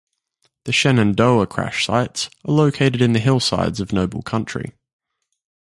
The "Shenandoah" Crash Sites are located in the hillsides of Noble County.